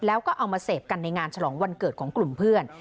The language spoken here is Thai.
แล้วก็เอามาเสพกันในงานฉลองวันเกิดของกลุ่มเพื่อน